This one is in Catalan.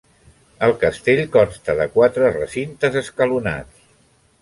El castell consta de quatre recintes escalonats.